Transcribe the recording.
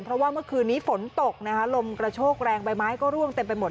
เพราะว่าเมื่อคืนนี้ฝนตกนะคะลมกระโชกแรงใบไม้ก็ร่วงเต็มไปหมด